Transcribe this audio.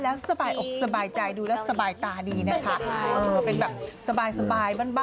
แล้วสบายออกสบายใจดูและสบายตาดีสบายบ้านเลย